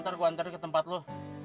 nanti gua bawa lo ke tempat lo